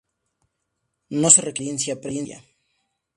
No se requiere experiencia previa.